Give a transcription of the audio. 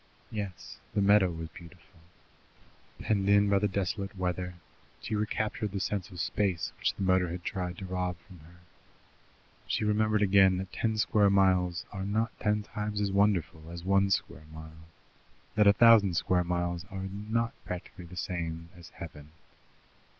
Yes, the meadow was beautiful. Penned in by the desolate weather, she recaptured the sense of space which the motor had tried to rob from her. She remembered again that ten square miles are not ten times as wonderful as one square mile, that a thousand square miles are not practically the same as heaven.